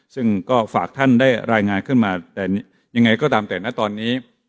ซึ่งก็ฝากท่านได้รายงานขึ้นมาแต่ยังไงก็ตามแต่นะตอนนี้